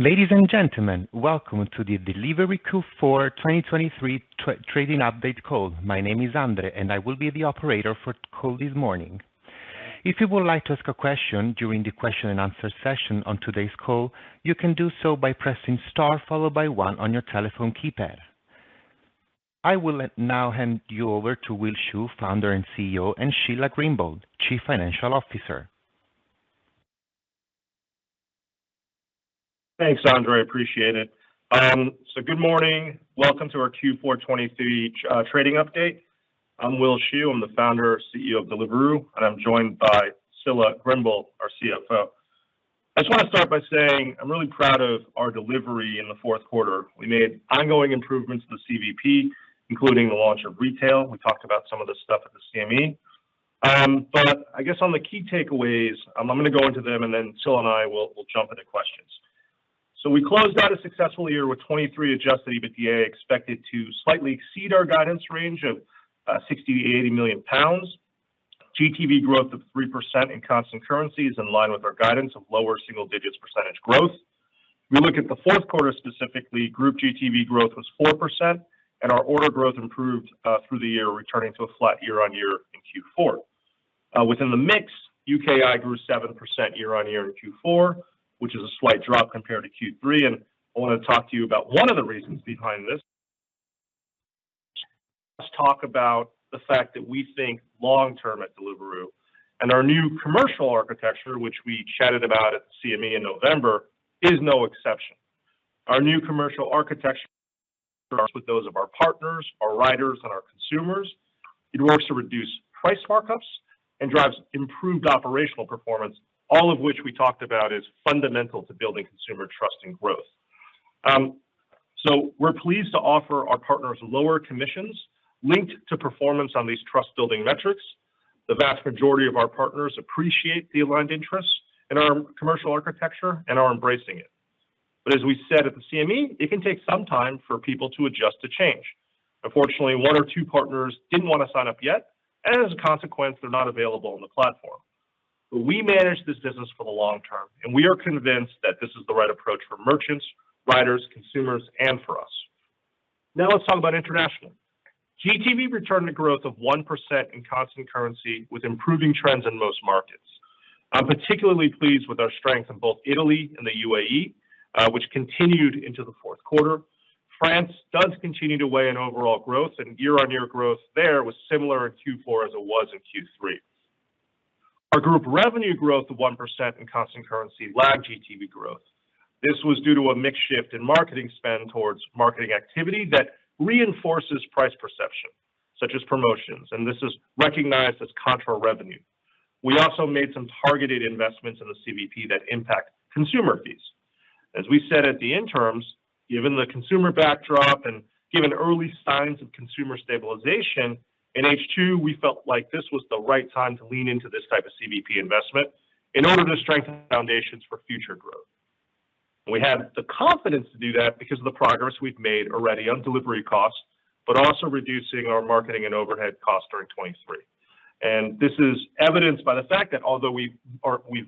Ladies and gentlemen, welcome to the Deliveroo Q4 2023 Trading Update call. My name is Andre, and I will be the operator for the call this morning. If you would like to ask a question during the question-and-answer session on today's call, you can do so by pressing star, followed by one on your telephone keypad. I will now hand you over to Will Shu, Founder and CEO, and Scilla Grimble, Chief Financial Officer. Thanks, Andre. I appreciate it. So good morning. Welcome to our Q4 2023 trading update. I'm Will Shu. I'm the founder and CEO of Deliveroo, and I'm joined by Scilla Grimble, our CFO. I just want to start by saying I'm really proud of our delivery in the Q4. We made ongoing improvements to the CVP, including the launch of retail. We talked about some of this stuff at the CME. But I guess on the key takeaways, I'm going to go into them, and then Scilla and I will jump into questions. So we closed out a successful year with 2023 adjusted EBITDA expected to slightly exceed our guidance range of 60 million-80 million pounds. GTV growth of 3% in constant currency is in line with our guidance of lower single digits percentage growth. If we look at the Q4, specifically, group GTV growth was 4%, and our order growth improved through the year, returning to a flat year-on-year in Q4. Within the mix, UKI grew 7% year-on-year in Q4, which is a slight drop compared to Q3, and I want to talk to you about one of the reasons behind this. Let's talk about the fact that we think long term at Deliveroo, and our new commercial architecture, which we chatted about at the CME in November, is no exception. Our new commercial architecture starts with those of our partners, our riders, and our consumers. It works to reduce price markups and drives improved operational performance, all of which we talked about is fundamental to building consumer trust and growth. So we're pleased to offer our partners lower commissions linked to performance on these trust-building metrics. The vast majority of our partners appreciate the aligned interests in our commercial architecture and are embracing it. But as we said at the CME, it can take some time for people to adjust to change. Unfortunately, one or two partners didn't want to sign up yet, and as a consequence, they're not available on the platform. But we manage this business for the long term, and we are convinced that this is the right approach for merchants, riders, consumers, and for us. Now, let's talk about international. GTV returned to growth of 1% in constant currency, with improving trends in most markets. I'm particularly pleased with our strength in both Italy and the U.A.E, which continued into the Q4. France does continue to weigh in overall growth, and year-on-year growth there was similar in Q4 as it was in Q3. Our group revenue growth of 1% in constant currency lagged GTV growth. This was due to a mix shift in marketing spend towards marketing activity that reinforces price perception, such as promotions, and this is recognized as contra revenue. We also made some targeted investments in the CVP that impact consumer fees. As we said at the interims, given the consumer backdrop and given early signs of consumer stabilization in H2, we felt like this was the right time to lean into this type of CVP investment in order to strengthen the foundations for future growth. We have the confidence to do that because of the progress we've made already on delivery costs, but also reducing our marketing and overhead costs during 2023. This is evidenced by the fact that although we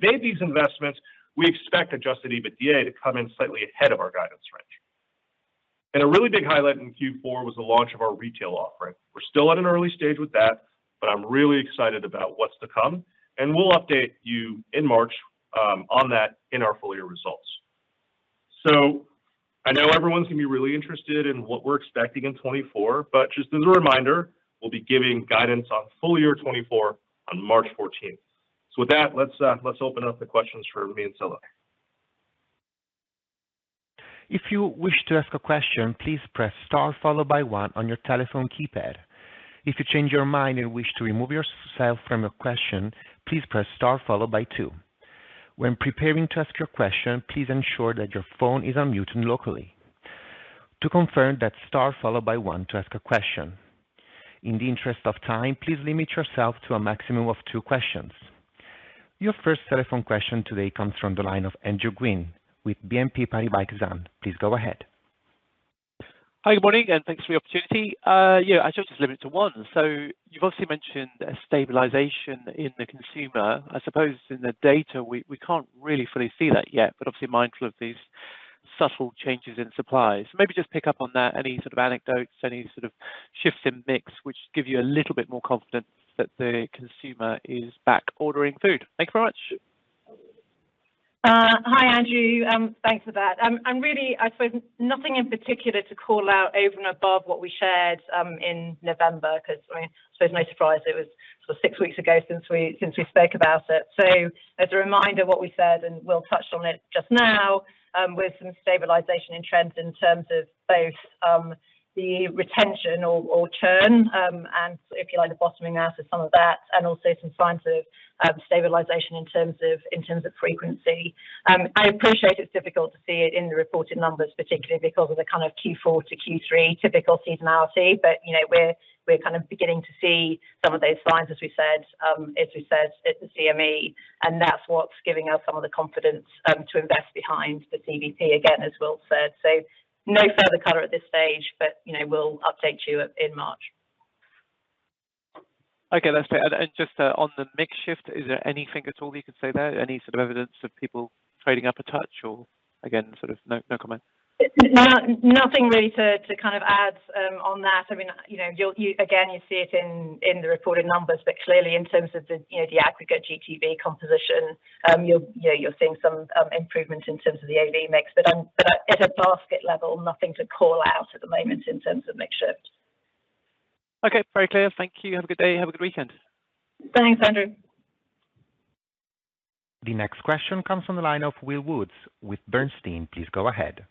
made these investments, we expect adjusted EBITDA to come in slightly ahead of our guidance range. A really big highlight in Q4 was the launch of our retail offering. We're still at an early stage with that, but I'm really excited about what's to come, and we'll update you in March on that in our full year results. I know everyone's going to be really interested in what we're expecting in 2024, but just as a reminder, we'll be giving guidance on full year 2024 on March 14th. With that, let's open up the questions for me and Scilla. If you wish to ask a question, please press star, followed by one on your telephone keypad. If you change your mind and wish to remove yourself from a question, please press star, followed by two. When preparing to ask your question, please ensure that your phone is on mute and locally. To confirm that, star, followed by one to ask a question. In the interest of time, please limit yourself to a maximum of two questions. Your first telephone question today comes from the line of Andrew Gwynn with BNP Paribas Exane. Please go ahead. Hi, good morning, and thanks for the opportunity. Yeah, I just limit it to one. So you've also mentioned a stabilization in the consumer. I suppose in the data, we, we can't really fully see that yet, but obviously mindful of these subtle changes in supply. So maybe just pick up on that. Any sort of anecdotes, any sort of shifts in mix, which give you a little bit more confidence that the consumer is back ordering food? Thank you very much. Hi, Andrew. Thanks for that. And really, I suppose nothing in particular to call out over and above what we shared in November, 'cause, I mean, I suppose no surprise, it was sort of six weeks ago since we spoke about it. So as a reminder of what we said, and Will touched on it just now, with some stabilization in trends in terms of both the retention or churn, and if you like, the bottoming out of some of that, and also some signs of stabilization in terms of frequency. I appreciate it's difficult to see it in the reported numbers, particularly because of the kind of Q4 to Q3 typical seasonality, but, you know, we're kind of beginning to see some of those signs, as we said, as we said at the CME, and that's what's giving us some of the confidence to invest behind the CVP again, as Will said. So no further color at this stage, but, you know, we'll update you in March.... Okay, that's great. And just, on the mix shift, is there anything at all you can say there? Any sort of evidence of people trading up a touch, or again, sort of no, no comment? No, nothing really to kind of add on that. I mean, you know, you'll, you again, you see it in, in the reported numbers, but clearly in terms of the, you know, the aggregate GTV composition, you're, you know, you're seeing some improvement in terms of the AOV mix. But at a basket level, nothing to call out at the moment in terms of mix shift. Okay, very clear. Thank you. Have a good day, have a good weekend. Thanks, Andrew. The next question comes from the line of Will Woods with Bernstein. Please go ahead.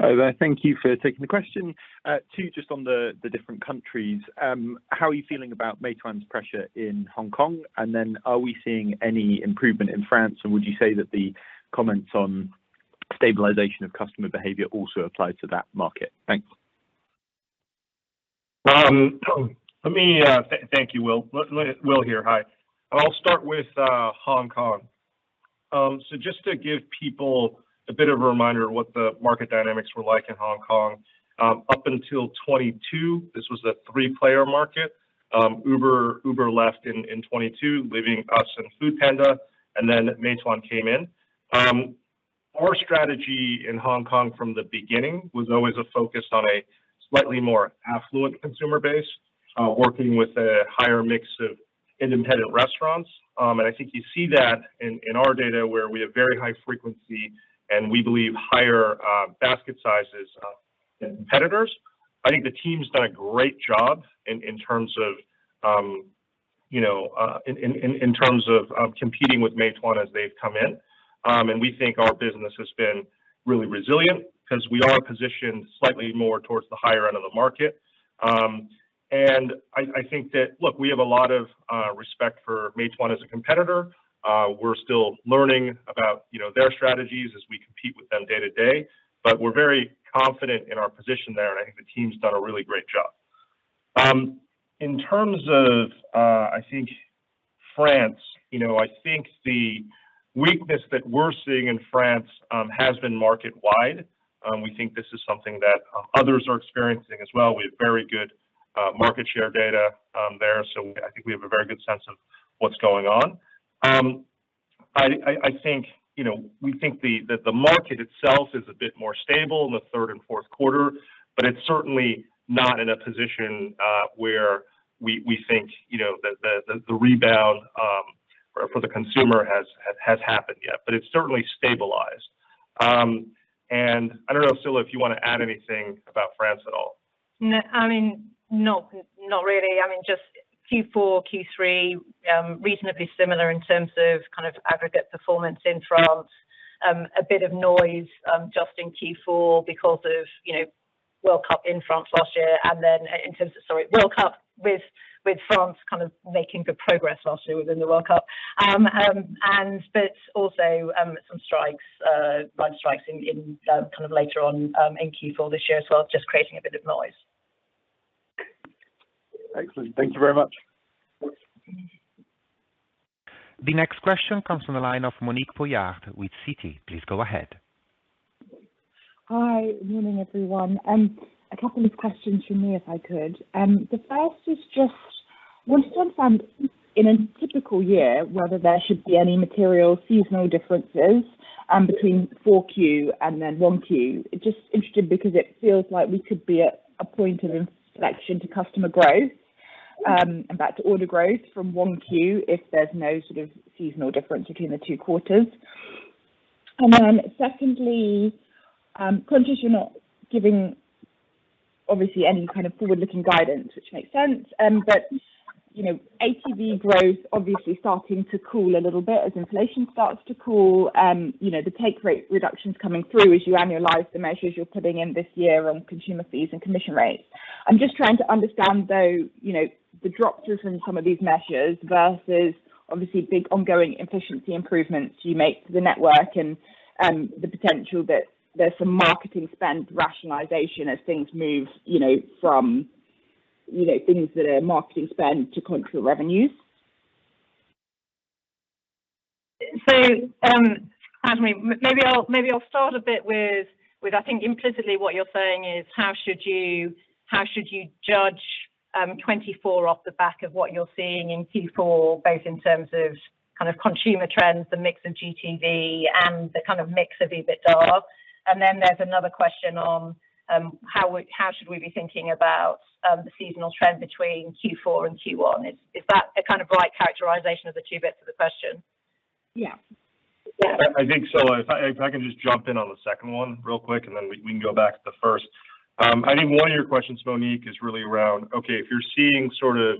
Hi there. Thank you for taking the question. Two just on the different countries. How are you feeling about Meituan's pressure in Hong Kong? And then are we seeing any improvement in France, and would you say that the comments on stabilization of customer behavior also apply to that market? Thanks. Thank you, Will. Will here, hi. I'll start with Hong Kong. So just to give people a bit of a reminder of what the market dynamics were like in Hong Kong, up until 2022, this was a three-player market. Uber left in 2022, leaving us and Foodpanda, and then Meituan came in. Our strategy in Hong Kong from the beginning was always a focus on a slightly more affluent consumer base, working with a higher mix of independent restaurants. And I think you see that in our data, where we have very high frequency, and we believe higher basket sizes than competitors. I think the team's done a great job in terms of you know competing with Meituan as they've come in. And we think our business has been really resilient, 'cause we are positioned slightly more towards the higher end of the market. And I think that, look, we have a lot of respect for Meituan as a competitor. We're still learning about, you know, their strategies as we compete with them day to day, but we're very confident in our position there, and I think the team's done a really great job. In terms of, I think France, you know, I think the weakness that we're seeing in France has been market-wide. We think this is something that others are experiencing as well. We have very good market share data there, so I think we have a very good sense of what's going on. I think, you know, we think the market itself is a bit more stable in the third and Q4, but it's certainly not in a position where we think, you know, the rebound for the consumer has happened yet. But it's certainly stabilized. And I don't know, Scilla, if you want to add anything about France at all? No, I mean, not, not really. I mean, just Q4, Q3, reasonably similar in terms of kind of aggregate performance in France. A bit of noise, just in Q4 because of, you know, World Cup in France last year, and then... Sorry, World Cup with France kind of making good progress last year within the World Cup. And but also, some strikes, wide strikes in kind of later on, in Q4 this year as well, just creating a bit of noise. Excellent. Thank you very much. The next question comes from the line of Monique Pollard with Citi. Please go ahead. Hi. Morning, everyone. A couple of questions from me, if I could. The first is just, I'm still trying to find, in a typical year, whether there should be any material seasonal differences, between Q4 and then Q1. It's just interesting, because it feels like we could be at a point of inflection to customer growth, and back to order growth from Q1, if there's no sort of seasonal difference between the two quarters. And then secondly, conscious you're not giving, obviously, any kind of forward-looking guidance, which makes sense, but, you know, ATV growth obviously starting to cool a little bit as inflation starts to cool. You know, the take rate reductions coming through as you annualize the measures you're putting in this year on consumer fees and commission rates. I'm just trying to understand, though, you know, the drop through from some of these measures versus obviously big ongoing efficiency improvements you make to the network and the potential that there's some marketing spend rationalization as things move, you know, from, you know, things that are marketing spend to contribute revenues. So, Monique, maybe I'll start a bit with... I think implicitly what you're saying is, how should you judge 2024 off the back of what you're seeing in Q4, both in terms of kind of consumer trends, the mix of GTV, and the kind of mix of EBITDA? And then there's another question on, how should we be thinking about the seasonal trend between Q4 and Q1? Is that a kind of right characterization of the two bits of the question? Yeah. I think so. If I can just jump in on the second one real quick, and then we can go back to the first. I think one of your questions, Monique, is really around, okay, if you're seeing sort of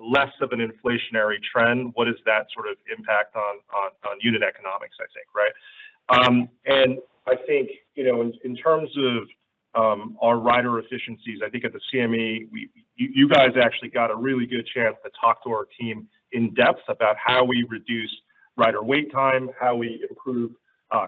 less of an inflationary trend, what is that sort of impact on unit economics, I think, right? And I think, you know, in terms of our rider efficiencies, I think at the CME, you guys actually got a really good chance to talk to our team in depth about how we reduce rider wait time, how we improve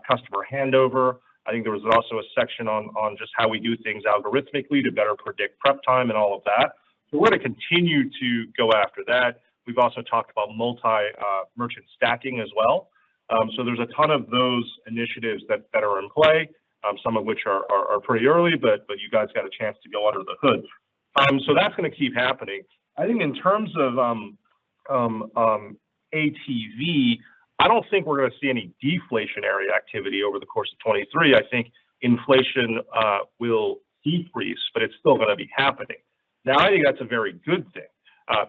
customer handover. I think there was also a section on just how we do things algorithmically to better predict prep time and all of that. So we're going to continue to go after that. We've also talked about multi merchant stacking as well. So there's a ton of those initiatives that are in play, some of which are pretty early, but you guys got a chance to go under the hood. So that's gonna keep happening. I think in terms of ATV, I don't think we're gonna see any deflationary activity over the course of 2023. I think inflation will decrease, but it's still gonna be happening. Now, I think that's a very good thing,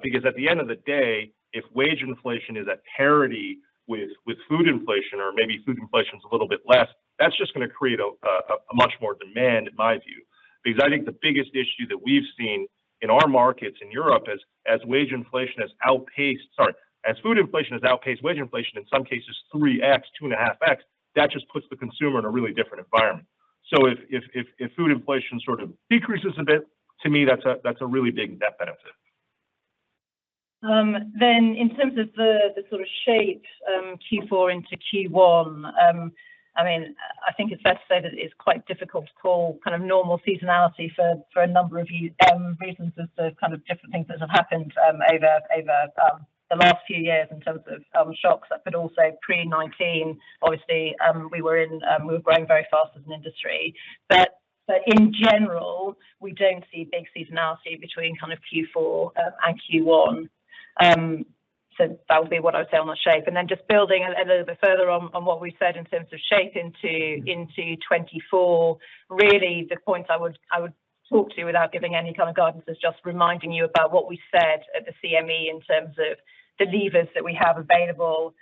because at the end of the day, if wage inflation is at parity with food inflation, or maybe food inflation is a little bit less, that's just gonna create a much more demand, in my view. Because I think the biggest issue that we've seen in our markets in Europe is, as wage inflation has outpaced—sorry, as food inflation has outpaced wage inflation, in some cases, 3x, 2.5x, that just puts the consumer in a really different environment. So if food inflation sort of decreases a bit, to me, that's a really big net benefit. Then in terms of the sort of shape, Q4 into Q1, I mean, I think it's fair to say that it's quite difficult to call kind of normal seasonality for a number of reasons as to kind of different things that have happened over the last few years in terms of shocks. But also pre-19, obviously, we were in... we were growing very fast as an industry. But in general, we don't see big seasonality between kind of Q4 and Q1. So that would be what I'd say on the shape. And then just building a little bit further on what we said in terms of shape into 2024, really, the points I would talk to, without giving any kind of guidance, is just reminding you about what we said at the CME in terms of the levers that we have available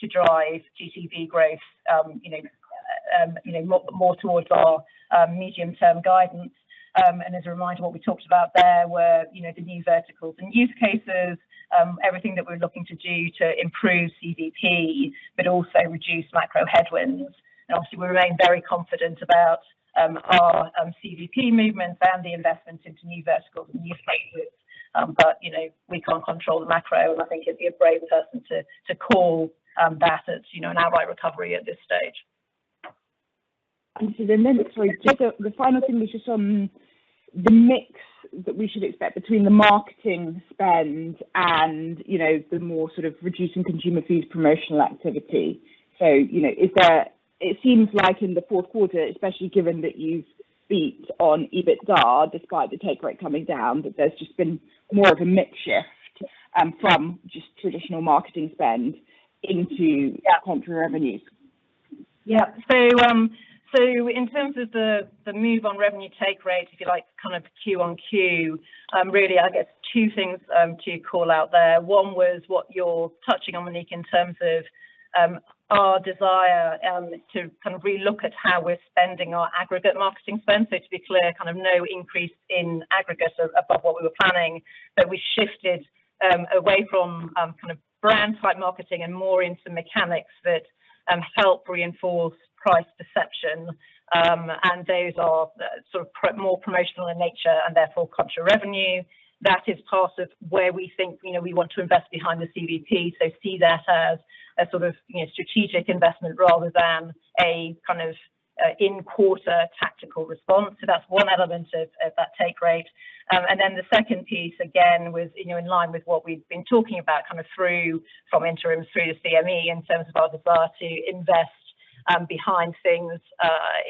to drive GTV growth, you know, you know, more towards our medium-term guidance. And as a reminder, what we talked about there were, you know, the new verticals and use cases, everything that we're looking to do to improve CVP, but also reduce macro headwinds. And obviously, we remain very confident about our CVP movements and the investments into new verticals and new frameworks. But, you know, we can't control the macro, and I think it'd be a brave person to call that it's, you know, an outright recovery at this stage. So then, sorry, just the final thing was just on the mix that we should expect between the marketing spend and, you know, the more sort of reducing consumer fees, promotional activity. So, you know, is there—it seems like in the Q4, especially given that you've beat on EBITDA, despite the take rate coming down, that there's just been more of a mix shift from just traditional marketing spend into- Yeah... contra revenues. Yeah. So, in terms of the move on revenue take rate, if you like, kind of Q-on-Q, really, I guess two things to call out there. One was what you're touching on, Monique, in terms of our desire to kind of relook at how we're spending our aggregate marketing spend. So to be clear, kind of no increase in aggregate above what we were planning. But we shifted away from kind of brand-type marketing and more into mechanics that help reinforce price perception. And those are sort of more promotional in nature and therefore, contra revenue. That is part of where we think, you know, we want to invest behind the CVP. So see that as a sort of, you know, strategic investment rather than a kind of in-quarter tactical response. So that's one element of that take rate. And then the second piece, again, was, you know, in line with what we've been talking about, kind of through from interim through the CME, in terms of our desire to invest behind things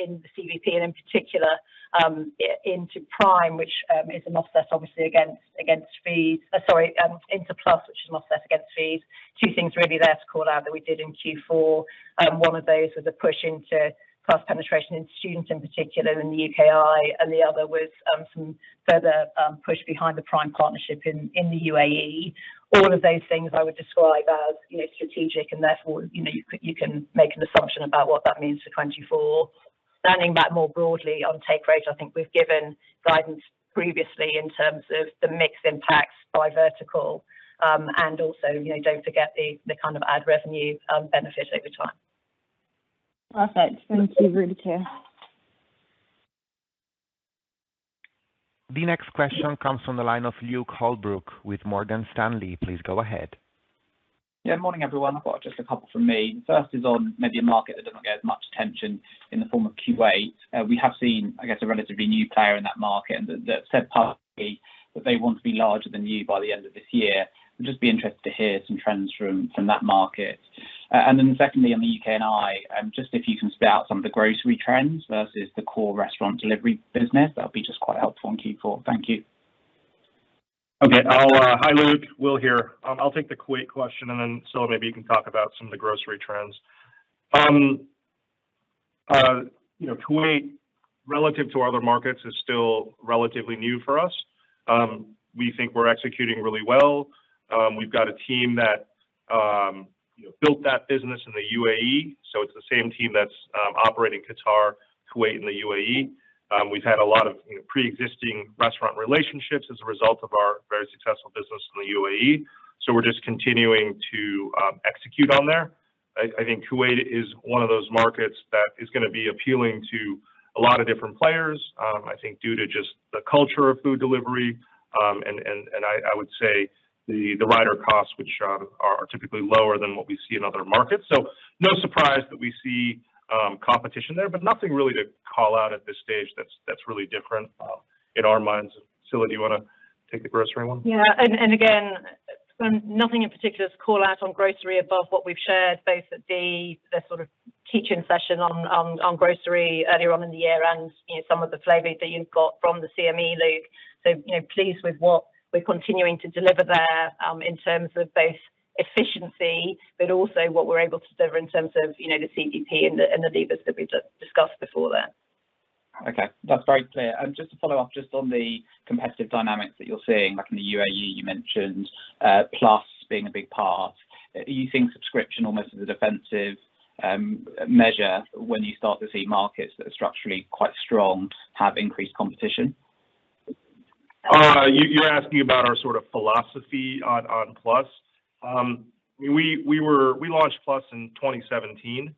in the CVP and in particular into Prime, which is an offset obviously against fees, sorry, into Plus, which is an offset against fees. Two things really there to call out that we did in Q4, one of those was a push into Plus penetration in students, in particular in the UKI, and the other was some further push behind the Prime partnership in the U.A.E. All of those things I would describe as, you know, strategic and therefore, you know, you could- you can make an assumption about what that means for 2024. Standing back more broadly on take rate, I think we've given guidance previously in terms of the mixed impacts by vertical. And also, you know, don't forget the kind of ad revenue benefit over time. Perfect. Thank you. Will, too. The next question comes from the line of Luke Holbrook with Morgan Stanley. Please go ahead. Yeah, morning, everyone. I've got just a couple from me. First is on maybe a market that doesn't get as much attention in the form of Kuwait. We have seen, I guess, a relatively new player in that market, and that said, partly, that they want to be larger than you by the end of this year. I'd just be interested to hear some trends from, from that market. And then secondly, on the UKI, just if you can spit out some of the grocery trends versus the core restaurant delivery business, that would be just quite helpful in Q4. Thank you. Okay. I'll... Hi, Luke. Will here. I'll take the Kuwait question, and then, so maybe you can talk about some of the grocery trends. You know, Kuwait, relative to our other markets, is still relatively new for us. We think we're executing really well. We've got a team that, you know, built that business in the U.A.E., so it's the same team that's operating Qatar, Kuwait, and the U.A.E. We've had a lot of, you know, pre-existing restaurant relationships as a result of our very successful business in the U.A.E., so we're just continuing to execute on there. I, I think Kuwait is one of those markets that is gonna be appealing to a lot of different players, I think due to just the culture of food delivery. I would say the rider costs, which are typically lower than what we see in other markets. So no surprise that we see competition there, but nothing really to call out at this stage that's really different in our minds. Scilla, do you wanna take the grocery one? Yeah, and again, nothing in particular to call out on grocery above what we've shared, both at the sort of teaching session on grocery earlier on in the year and, you know, some of the flavor that you've got from the CME, Luke. So, you know, pleased with what we're continuing to deliver there, in terms of both efficiency, but also what we're able to deliver in terms of, you know, the CVP and the levers that we've just discussed before that. Okay, that's very clear. And just to follow up, just on the competitive dynamics that you're seeing, like in the U.A.E., you mentioned, Plus being a big part. You think subscription almost as a defensive, measure when you start to see markets that are structurally quite strong, have increased competition? You're asking about our sort of philosophy on Plus? We launched Plus in 2017.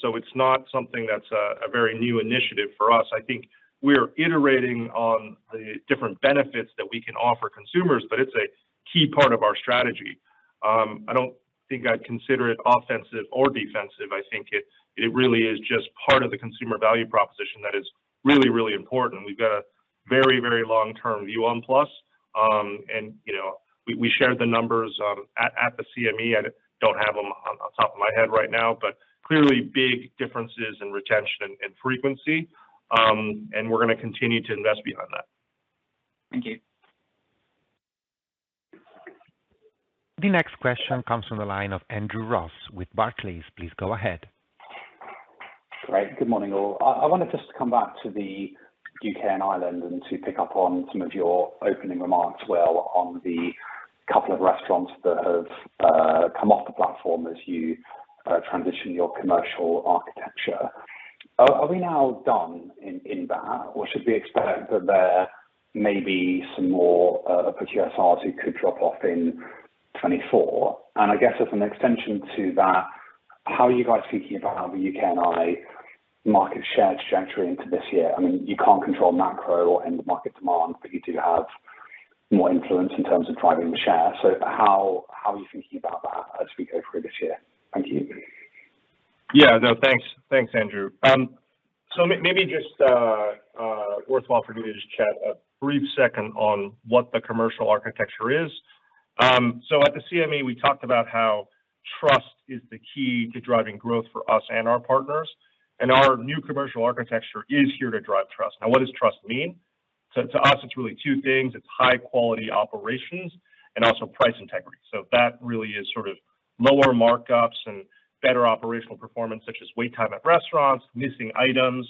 So it's not something that's a very new initiative for us. I think we're iterating on the different benefits that we can offer consumers, but it's a key part of our strategy. I don't think I'd consider it offensive or defensive. I think it really is just part of the consumer value proposition that is really, really important. We've got a very, very long-term view on Plus. And, you know, we shared the numbers at the CME. I don't have them on top of my head right now, but clearly big differences in retention and frequency. And we're gonna continue to invest behind that. Thank you. The next question comes from the line of Andrew Ross with Barclays. Please go ahead. Great. Good morning, all. I wanted just to come back to the U.K. and Ireland, and to pick up on some of your opening remarks, well, on the couple of restaurants that have come off the platform as you transition your commercial architecture. Are we now done in that, or should we expect that there may be some more potential sites who could drop off in 2024? And I guess as an extension to that, how are you guys thinking about how the U.K. and Ireland market share trajectory into this year? I mean, you can't control macro and market demand, but you do have more influence in terms of driving the share. So how are you thinking about that as we go through this year? Thank you. Yeah. No, thanks. Thanks, Andrew. So maybe just worthwhile for me to just chat a brief second on what the commercial architecture is. So at the CME, we talked about how trust is the key to driving growth for us and our partners, and our new commercial architecture is here to drive trust. Now, what does trust mean? So to us, it's really two things: It's high-quality operations and also price integrity. So that really is sort of lower markups and better operational performance, such as wait time at restaurants, missing items,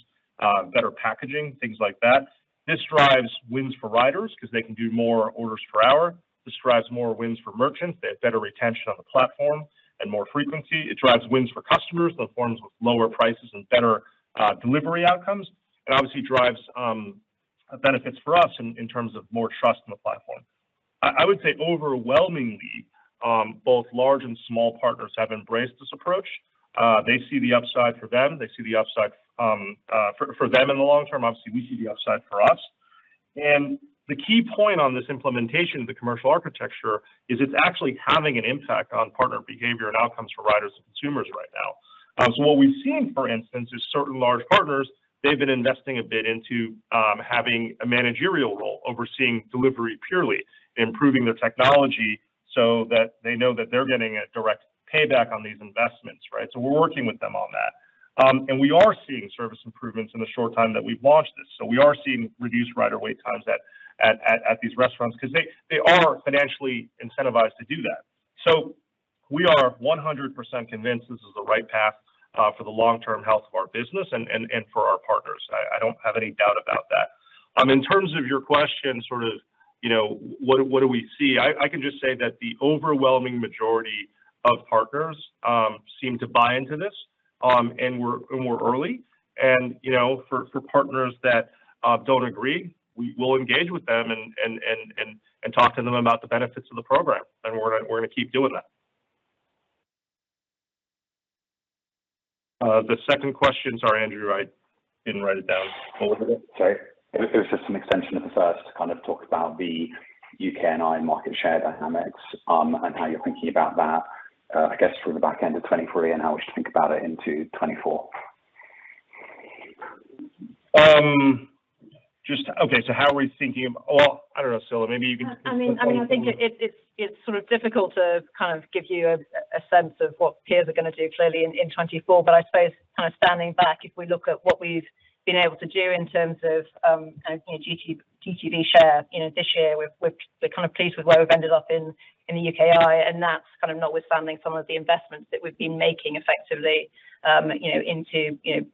better packaging, things like that. This drives wins for riders because they can do more orders per hour. This drives more wins for merchants. They have better retention on the platform and more frequency. It drives wins for customers, performs with lower prices and better, delivery outcomes, and obviously drives, benefits for us in, in terms of more trust in the platform. I, I would say overwhelmingly, both large and small partners have embraced this approach. They see the upside for them. They see the upside, for, for them in the long term. Obviously, we see the upside for us. And the key point on this implementation of the commercial architecture is it's actually having an impact on partner behavior and outcomes for riders and consumers right now. So what we've seen, for instance, is certain large partners, they've been investing a bit into, having a managerial role, overseeing delivery, purely improving the technology so that they know that they're getting a direct payback on these investments, right? So we're working with them on that. And we are seeing service improvements in the short time that we've launched this. So we are seeing reduced rider wait times at these restaurants because they are financially incentivized to do that. So we are 100% convinced this is the right path for the long-term health of our business and for our partners. I don't have any doubt about that. In terms of your question, sort of, you know, what do we see? I can just say that the overwhelming majority of partners seem to buy into this, and we're early. And, you know, for partners that don't agree, we will engage with them and talk to them about the benefits of the program, and we're gonna keep doing that. The second question, sorry, Andrew, I didn't write it down. Sorry. It was just an extension of the first to kind of talk about the UKI market share dynamics, and how you're thinking about that, I guess from the back end of 2023 and how we should think about it into 2024. Just... Okay, so how are we thinking about— Well, I don't know, Scilla, maybe you can— I mean, I think it's sort of difficult to kind of give you a sense of what peers are gonna do clearly in 2024. But I suppose kind of standing back, if we look at what we've been able to do in terms of, you know, GTV share, you know, this year, we're kind of pleased with where we've ended up in the UKI, and that's kind of notwithstanding some of the investments that we've been making effectively, you know, into, you know,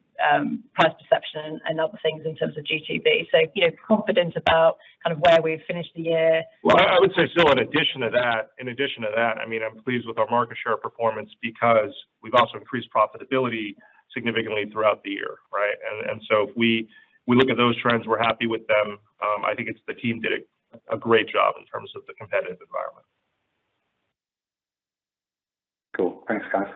price perception and other things in terms of GTV. So, you know, confident about kind of where we've finished the year. Well, I would say, still in addition to that, in addition to that, I mean, I'm pleased with our market share performance because we've also increased profitability significantly throughout the year, right? And so if we look at those trends, we're happy with them. I think it's the team did a great job in terms of the competitive environment. Cool. Thanks, guys.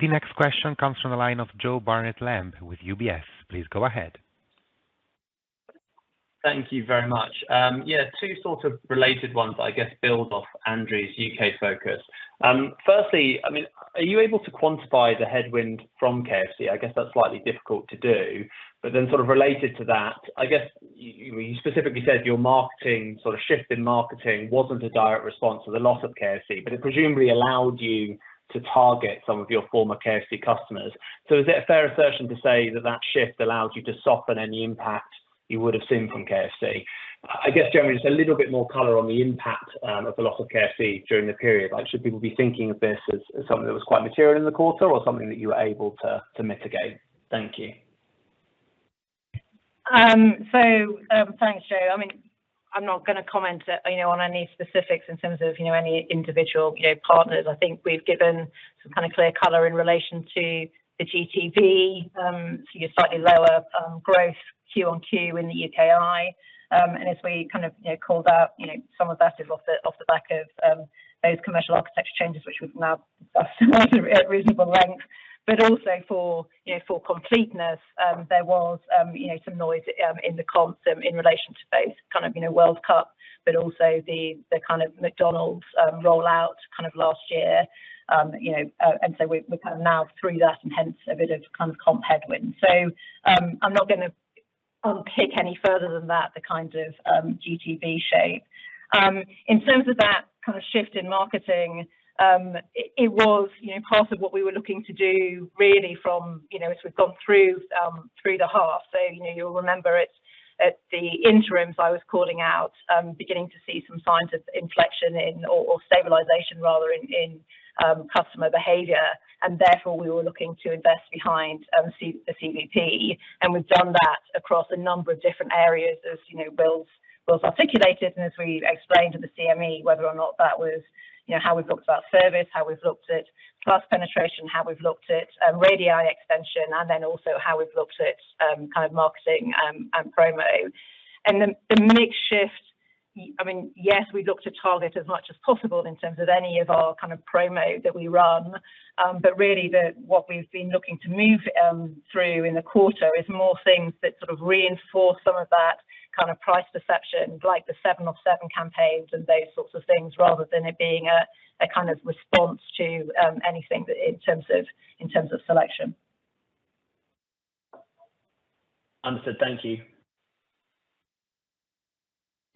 The next question comes from the line of Jo Barnet-Lamb with UBS. Please go ahead.... Thank you very much. Yeah, two sort of related ones, I guess, build off Andrea's U.K. focus. Firstly, I mean, are you able to quantify the headwind from KFC? I guess that's slightly difficult to do. But then sort of related to that, I guess you, you specifically said your marketing, sort of, shift in marketing wasn't a direct response to the loss of KFC, but it presumably allowed you to target some of your former KFC customers. So is it a fair assertion to say that that shift allows you to soften any impact you would have seen from KFC? I guess, generally, just a little bit more color on the impact of the loss of KFC during the period. Like, should people be thinking of this as, as something that was quite material in the quarter or something that you were able to, to mitigate? Thank you. Thanks, Jo. I mean, I'm not going to comment, you know, on any specifics in terms of, you know, any individual, you know, partners. I think we've given some kind of clear color in relation to the GTV. So you're slightly lower growth Q-on-Q in the UKI. And as we kind of, you know, called out, you know, some of that is off the, off the back of those commercial architecture changes, which we've now discussed at reasonable length. But also for, you know, for completeness, there was, you know, some noise in the comp in relation to both kind of, you know, World Cup, but also the, the kind of McDonald's rollout kind of last year. You know, and so we, we're kind of now through that and hence a bit of kind of comp headwind. So, I'm not going to unpick any further than that, the kind of, GTV shape. In terms of that kind of shift in marketing, it, it was, you know, part of what we were looking to do really from... You know, as we've gone through, through the half. So, you know, you'll remember it at the interims, I was calling out, beginning to see some signs of inflection in or, or stabilization rather, in, in, customer behavior, and therefore, we were looking to invest behind, the C- the CVP. We've done that across a number of different areas, as you know, Will's articulated and as we explained at the CME, whether or not that was, you know, how we've looked at our service, how we've looked at Plus penetration, how we've looked at radius extension, and then also how we've looked at kind of marketing and promo. Then the mix shift, I mean, yes, we look to target as much as possible in terms of any of our kind of promo that we run. But really, what we've been looking to move through in the quarter is more things that sort of reinforce some of that kind of price perception, like the 7 off 7 campaigns and those sorts of things, rather than it being a kind of response to anything in terms of, in terms of selection. Understood. Thank you.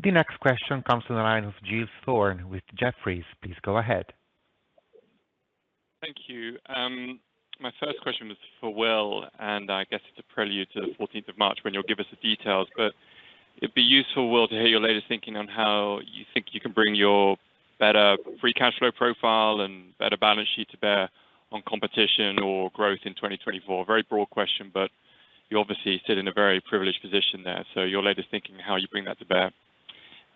The next question comes from the line of Giles Thorne with Jefferies. Please go ahead. Thank you. My first question was for Will, and I guess it's a prelude to the 14th of March when you'll give us the details. But it'd be useful, Will, to hear your latest thinking on how you think you can bring your better free cash flow profile and better balance sheet to bear on competition or growth in 2024. Very broad question, but you obviously sit in a very privileged position there. So your latest thinking on how you bring that to bear.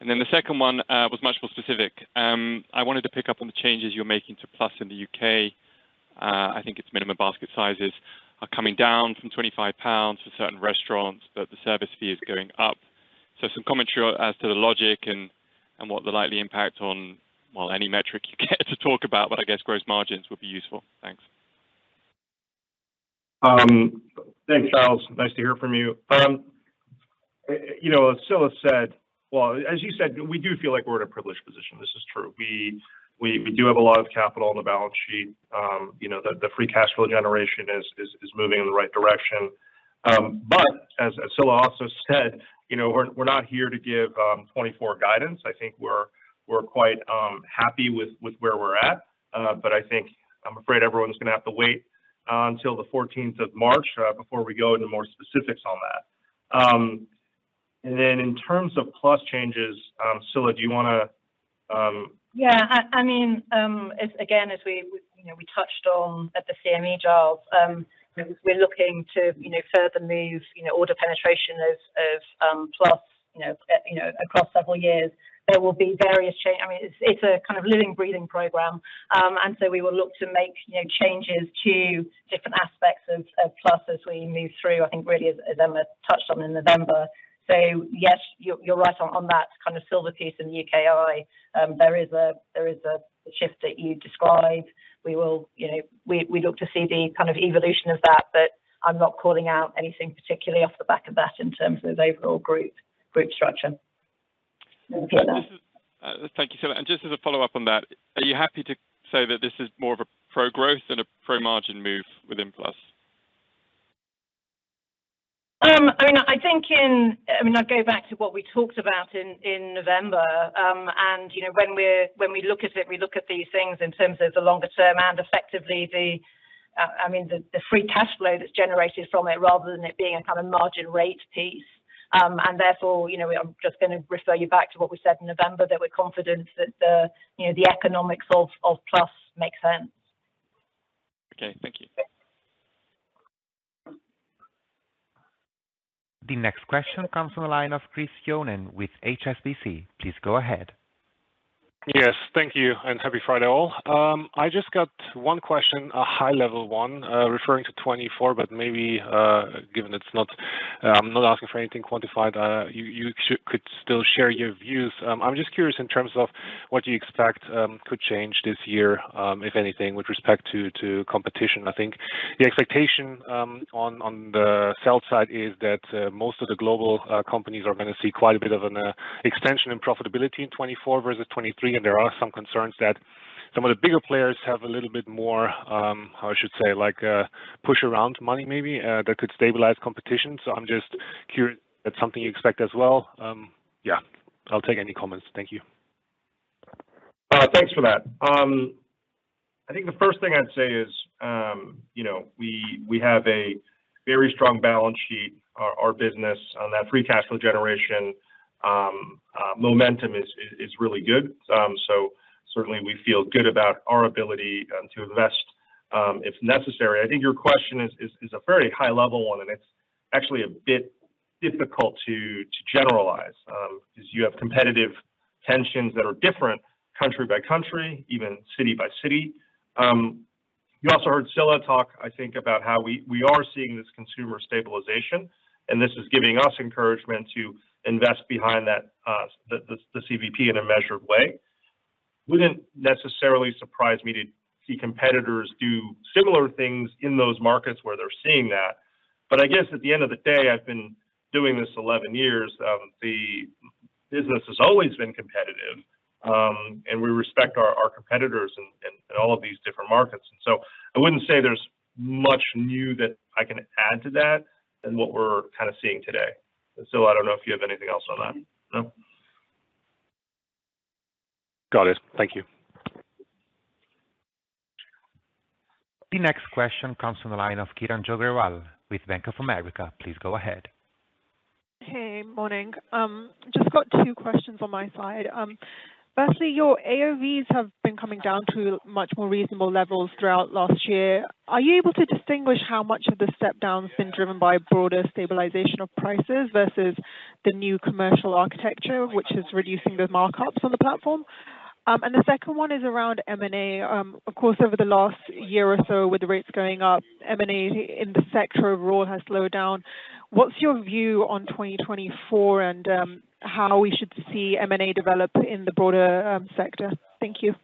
And then the second one was much more specific. I wanted to pick up on the changes you're making to Plus in the U.K. I think its minimum basket sizes are coming down from 25 pounds for certain restaurants, but the service fee is going up. Some commentary as to the logic and what the likely impact on, well, any metric you get to talk about, but I guess gross margins would be useful. Thanks. Thanks, Giles. Nice to hear from you. You know, Scilla said... Well, as you said, we do feel like we're in a privileged position. This is true. We, we, we do have a lot of capital on the balance sheet. You know, the, the free cash flow generation is, is, is moving in the right direction. But as Scilla also said, you know, we're, we're not here to give 2024 guidance. I think we're, we're quite happy with where we're at. But I think I'm afraid everyone's going to have to wait until the 14th of March before we go into more specifics on that. And then in terms of Plus changes, Scilla, do you want to Yeah, I mean, as again, as we, you know, we touched on at the CME, Giles, you know, we're looking to, you know, further move, you know, order penetration of Plus, you know, across several years. I mean, it's a kind of living, breathing program. And so we will look to make, you know, changes to different aspects of Plus as we move through, I think, really, as Emma touched on in November. So, yes, you're right on that kind of silver piece in the UKI. There is a shift that you describe. You know, we look to see the kind of evolution of that, but I'm not calling out anything particularly off the back of that in terms of overall group structure. Thank you, Scilla. Just as a follow-up on that, are you happy to say that this is more of a pro-growth than a pro-margin move within Plus? I mean, I think I'd go back to what we talked about in November. And, you know, when we look at it, we look at these things in terms of the longer term and effectively the, I mean, the free cash flow that's generated from it rather than it being a kind of margin rate piece. And therefore, you know, I'm just going to refer you back to what we said in November, that we're confident that the, you know, the economics of Plus makes sense. Okay. Thank you. The next question comes from the line of Chris Johnen with HSBC. Please go ahead. Yes, thank you, and happy Friday, all. I just got one question, a high-level one, referring to 2024, but maybe, given it's not-... I'm not asking for anything quantified. You could still share your views. I'm just curious in terms of what you expect could change this year, if anything, with respect to competition. I think the expectation on the sell side is that most of the global companies are gonna see quite a bit of an extension in profitability in 2024 versus 2023, and there are some concerns that some of the bigger players have a little bit more, how I should say, like, push around money maybe, that could stabilize competition. So I'm just curious if that's something you expect as well. Yeah, I'll take any comments. Thank you. Thanks for that. I think the first thing I'd say is, you know, we have a very strong balance sheet. Our business on that free cash flow generation momentum is really good. So certainly we feel good about our ability to invest if necessary. I think your question is a very high-level one, and it's actually a bit difficult to generalize. 'Cause you have competitive tensions that are different country by country, even city by city. You also heard Scilla talk, I think, about how we are seeing this consumer stabilization, and this is giving us encouragement to invest behind that, the CVP in a measured way. Wouldn't necessarily surprise me to see competitors do similar things in those markets where they're seeing that. I guess at the end of the day, I've been doing this 11 years, the business has always been competitive, and we respect our competitors in all of these different markets. So I wouldn't say there's much new that I can add to that than what we're kind of seeing today. Scilla, I don't know if you have anything else on that? No. Got it. Thank you. The next question comes from the line of Kiranjot Grewal with Bank of America. Please go ahead. Hey, morning. Just got two questions on my side. Firstly, your AOVs have been coming down to much more reasonable levels throughout last year. Are you able to distinguish how much of the step down has been driven by a broader stabilization of prices versus the new commercial architecture, which is reducing the markups on the platform? And the second one is around M&A. Of course, over the last year or so, with the rates going up, M&A in the sector overall has slowed down. What's your view on 2024 and how we should see M&A develop in the broader sector? Thank you.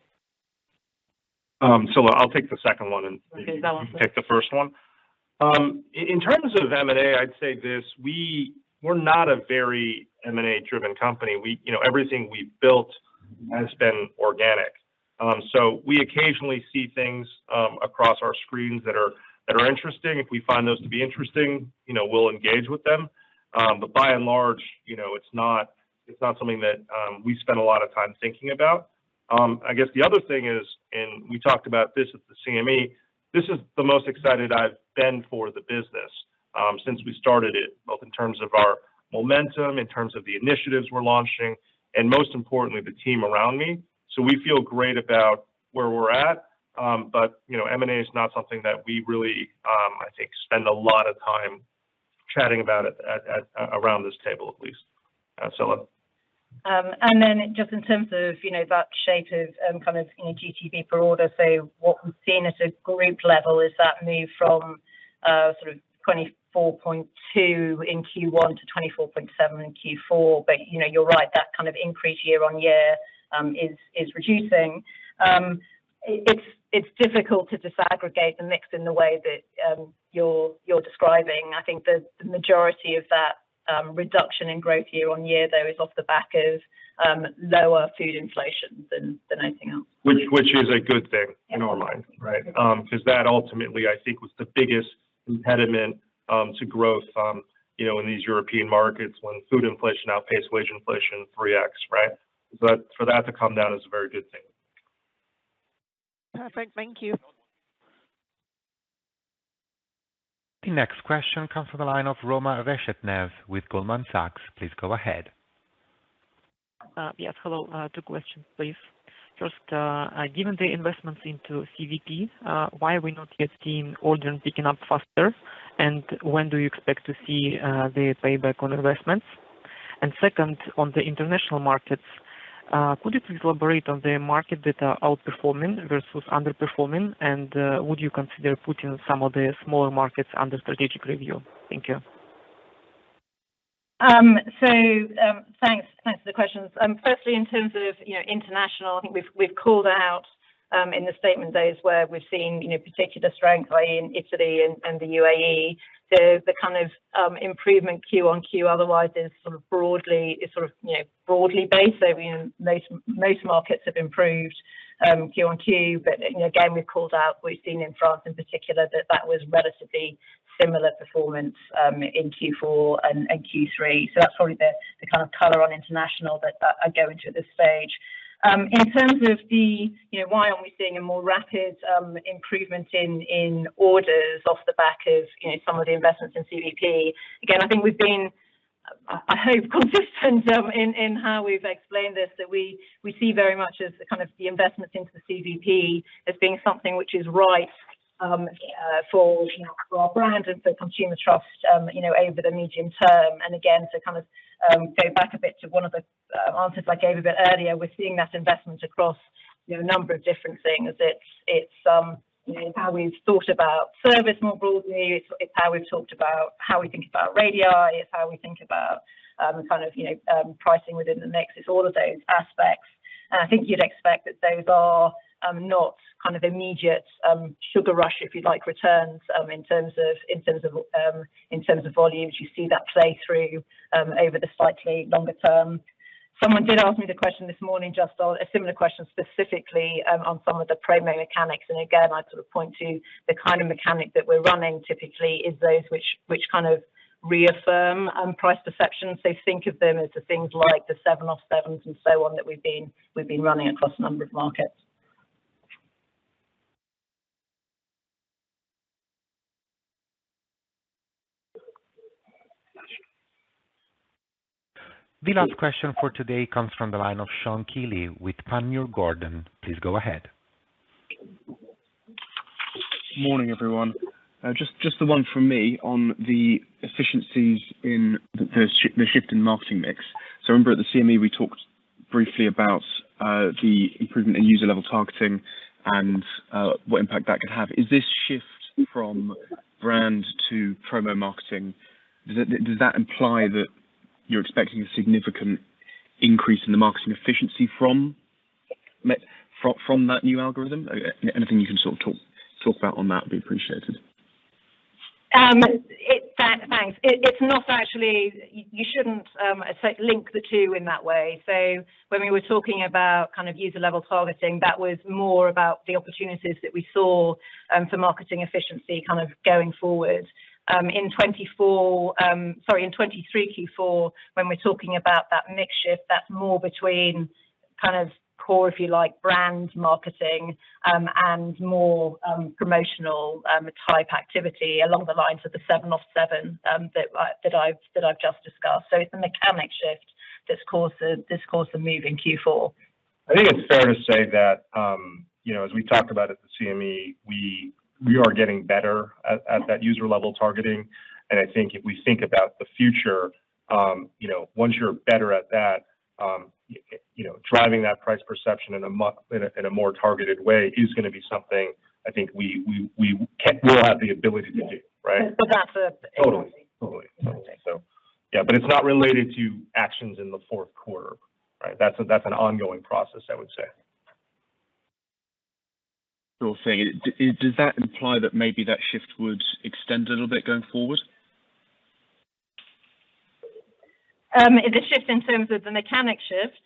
Scilla, I'll take the second one and- Okay, that one.... you take the first one. In terms of M&A, I'd say this: we're not a very M&A-driven company. We, you know, everything we've built has been organic. So we occasionally see things across our screens that are interesting. If we find those to be interesting, you know, we'll engage with them. But buy and large, you know, it's not something that we spend a lot of time thinking about. I guess the other thing is, and we talked about this at the CME, this is the most excited I've been for the business since we started it, both in terms of our momentum, in terms of the initiatives we're launching, and most importantly, the team around me. So we feel great about where we're at. But, you know, M&A is not something that we really, I think, spend a lot of time chatting about it at around this table, at least. Scilla? And then just in terms of, you know, that shape of, kind of GTV per order. So what we've seen at a group level is that move from, sort of 24.2 in Q1 to 24.7 in Q4. But, you know, you're right, that kind of increase year-on-year, is, is reducing. It's, it's difficult to disaggregate the mix in the way that, you're, you're describing. I think the, the majority of that, reduction in growth year-on-year, though, is off the back of, lower food inflation than, than anything else. Which, which is a good thing in our mind, right? Mm-hmm. 'Cause that ultimately, I think, was the biggest impediment to growth, you know, in these European markets, when food inflation outpaced wage inflation 3x, right? So for that to come down is a very good thing. Perfect. Thank you. The next question comes from the line of Roma Reshetnev with Goldman Sachs. Please go ahead. Yes, hello. Two questions, please. First, given the investments into CVP, why are we not yet seeing orders picking up faster? And when do you expect to see the payback on investments? And second, on the international markets, could you please elaborate on the market that are outperforming versus underperforming, and would you consider putting some of the smaller markets under strategic review? Thank you. So, thanks for the questions. Firstly, in terms of, you know, international, I think we've called out in the statement days where we've seen, you know, particularly the strong play in Italy and the U.A.E.. The kind of improvement Q-on-Q, otherwise, is sort of broadly, you know, broadly based. So, we know most markets have improved Q-on-Q. But, you know, again, we've called out, we've seen in France in particular, that was relatively similar performance in Q4 and Q3. So that's probably the kind of color on international that I go into at this stage. In terms of the, you know, why aren't we seeing a more rapid improvement in orders off the back of, you know, some of the investments in CVP? Again, I think we've been, I hope, consistent, in how we've explained this, that we see very much as the kind of the investments into the CVP as being something which is right, for, you know, for our brand and for consumer trust, you know, over the medium term. And again, to kind of, go back a bit to one of the, answers I gave a bit earlier, we're seeing that investment across, you know, a number of different things. It's, it's, you know, how we've thought about service more broadly. It's, it's how we've talked about how we think about radio. It's how we think about, kind of, you know, pricing within the mix. It's all of those aspects, and I think you'd expect that those are not kind of immediate sugar rush, if you'd like, returns. In terms of volumes, you see that play through over the slightly longer term. Someone did ask me the question this morning, just on a similar question, specifically on some of the promo mechanics, and again, I'd sort of point to the kind of mechanic that we're running typically is those which kind of reaffirm price perceptions. So think of them as the things like the 7 off 7s and so on, that we've been running across a number of markets. The last question for today comes from the line of Sean Kealy with Panmure Gordon. Please go ahead. Morning, everyone. Just, just the one from me on the efficiencies in the shift in marketing mix. So I remember at the CME, we talked briefly about the improvement in user-level targeting and what impact that could have. Is this shift from brand to promo marketing, does that imply that you're expecting a significant increase in the marketing efficiency from from that new algorithm? Anything you can sort of talk, talk about on that would be appreciated. Thanks. It's not actually... You shouldn't link the two in that way. So when we were talking about kind of user-level targeting, that was more about the opportunities that we saw for marketing efficiency kind of going forward. In 2024, sorry, in 2023 Q4, when we're talking about that mix shift, that's more between kind of core, if you like, brand marketing, and more promotional type activity along the lines of the 7 off 7 that I've just discussed. So it's a mechanic shift that's caused the move in Q4. I think it's fair to say that, you know, as we talked about at the CME, we are getting better at that user-level targeting. I think if we think about the future, you know, once you're better at that, you know, driving that price perception in a more targeted way is gonna be something I think we'll have the ability to do, right? But that's a- Totally. Totally, totally. Okay. So yeah, but it's not related to actions in the Q4, right? That's an ongoing process, I would say. Sure thing. Does that imply that maybe that shift would extend a little bit going forward? The shift in terms of the mechanic shift?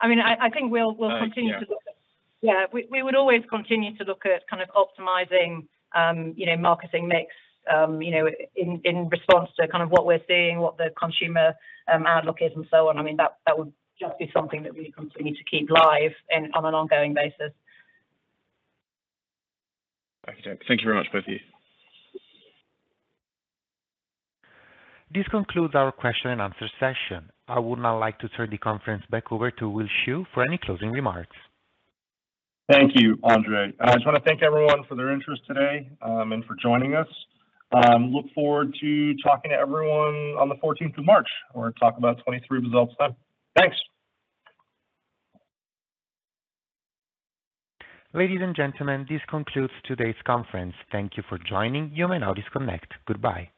I mean, I think we'll continue to look at- Uh, yeah. Yeah, we would always continue to look at kind of optimizing, you know, marketing mix, you know, in response to kind of what we're seeing, what the consumer outlook is, and so on. I mean, that would just be something that we continue to keep live in, on an ongoing basis. Okay. Thank you very much, both of you. This concludes our question and answer session. I would now like to turn the conference back over to Will Shu for any closing remarks. Thank you, Andre. I just wanna thank everyone for their interest today, and for joining us. Look forward to talking to everyone on the 14th of March. We'll talk about 2023 results then. Thanks! Ladies and gentlemen, this concludes today's conference. Thank you for joining. You may now disconnect. Goodbye.